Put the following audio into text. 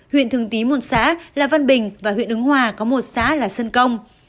huyện thường tý một xã là văn bình và huyện ứng hòa có một xã là sân công